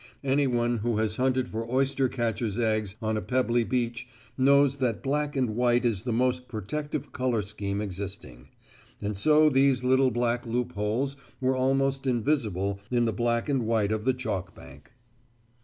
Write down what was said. Anyone who has hunted for oyster catchers' eggs on a pebbly beach knows that black and white is the most protective colour scheme existing. And so these little black loopholes were almost invisible in the black and white of the chalk bank.